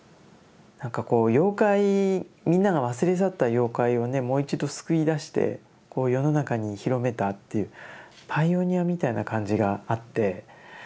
なんかこう妖怪みんなが忘れ去った妖怪をねもう一度すくい出してこう世の中に広めたっていうパイオニアみたいな感じがあって。